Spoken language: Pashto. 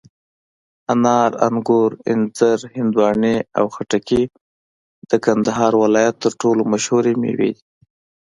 انار، انګور، انځر، هندواڼې او خټکي د کندهار ولایت تر ټولو مشهوري مېوې دي.